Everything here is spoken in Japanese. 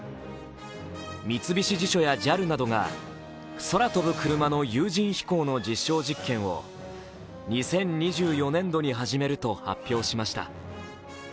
三菱地所やＪＡＬなどが空飛ぶクルマの有人飛行の実証実験を２０２４年度に始めると発表しました。